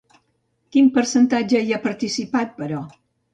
Quin percentatge hi ha participat, però?